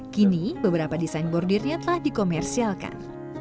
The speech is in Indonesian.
kini beberapa desain bordirnya telah dikomersialkan